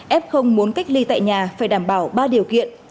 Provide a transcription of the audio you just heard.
ép không muốn cách ly tại nhà phải đảm bảo ba điều kiện